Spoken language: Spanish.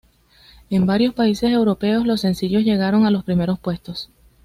En varios países europeos los sencillos llegaron a los primeros puestos.